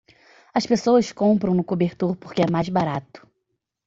As pessoas compram no cobertor porque é mais barato.